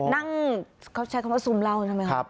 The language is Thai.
นั่งเขาใช้คำว่าซูมเหล้าใช่ไหมครับ